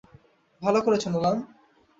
ভালো করেছো, নোলান।